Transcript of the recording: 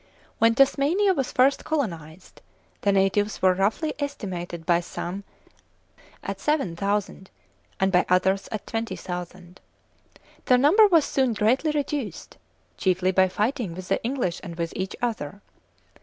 When Tasmania was first colonised the natives were roughly estimated by some at 7000 and by others at 20,000. Their number was soon greatly reduced, chiefly by fighting with the English and with each other.